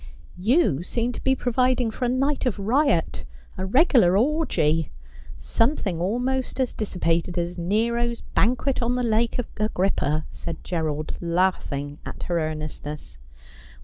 ' You seem to be providing for a night of riot — a regular orgy — something almost as dissipated as Nero's banquet on the lake of Agrippa,' said Gerald, laughing at her earnestness.